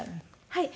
はい。